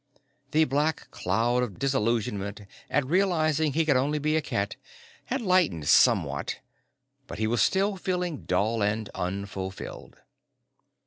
The black cloud of disillusionment at realizing he could only be a cat had lightened somewhat, but he was still feeling dull and unfulfilled.